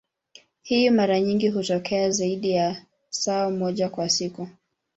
Hii mara nyingi hutokea zaidi ya saa moja kwa siku.